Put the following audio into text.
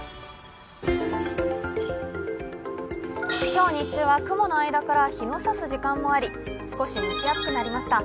今日、日中は雲の間から日の差す時間もあり、少し蒸し暑くなりました。